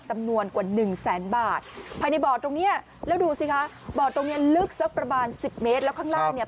มันก็จะดูดหน่อยใช่ไหมคะ